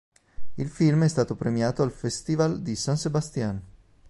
Il film è stato premiato al Festival di San Sebastián.